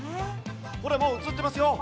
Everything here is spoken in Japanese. ほらもう、映ってますよ。